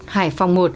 hải phòng một